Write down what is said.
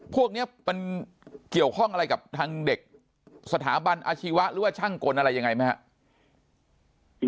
พวกนี้มันเกี่ยวข้องอะไรกับทางเด็กสถาบันอาชีวะหรือว่าช่างกลอะไรยังไงไหมครับ